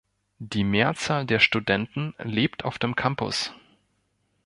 Die Mehrzahl der Studenten lebt auf dem Campus.